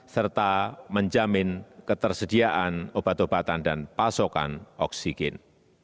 serta menjamin ketersediaan obat obatan dan pasokan oksigen